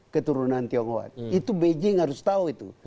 keturunan tionghoa itu beijing harus tahu itu